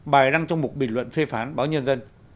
bài đăng trong một bình luận phê phán báo nhân dân